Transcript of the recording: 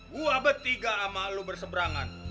gua bertiga sama lu berseberangan